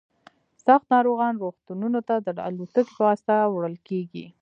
سخت ناروغان روغتونونو ته د الوتکې په واسطه وړل کیږي